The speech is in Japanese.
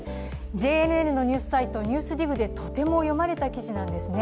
ＪＮＮのニューサイト「ＮＥＷＳＤＩＧ」でとても読まれた記事なんですね。